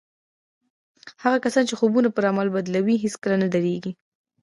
هغه کسان چې خوبونه پر عمل بدلوي هېڅکله نه درېږي